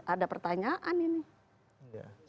ada pertanyaan ini